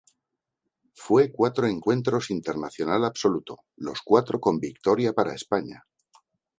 Fue cuatro encuentros internacional absoluto, los cuatro con victoria para España.